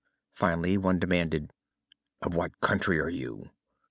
Finally one demanded, "Of what country are you?"